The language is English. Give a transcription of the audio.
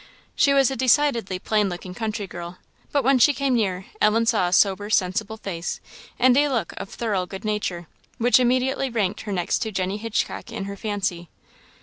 She was a decidedly plain looking country girl; but when she came near, Ellen saw a sober, sensible face, and a look of thorough good nature, which immediately ranked her next to Jenny Hitchcock in her fancy.